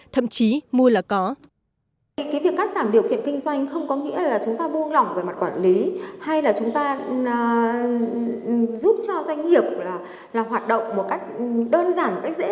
thậm chí mua là có